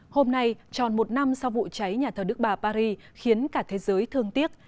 hôm nay tròn một năm sau vụ cháy nhà thờ đức bà paris khiến cả thế giới thương tiếc